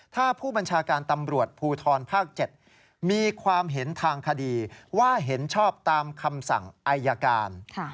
ถ้าผู้บัญชาการตำรวจภูทรภาค๗มีความเห็นทางคดีว่าเห็นชอบตามคำสั่งอายการ